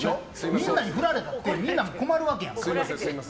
みんな、振られたってみんな困るわけやんか。